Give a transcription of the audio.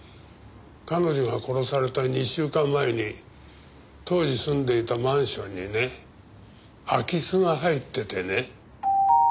彼女が殺された２週間前に当時住んでいたマンションにね空き巣が入っててね。